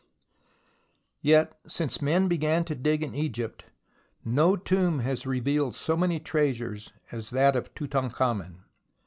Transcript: Yet, since men began to dig in Egypt, no tomb has revealed so many treasures as that of Tutankh amen.